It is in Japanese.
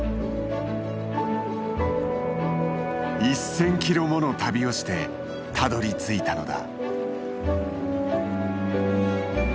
１，０００キロもの旅をしてたどりついたのだ。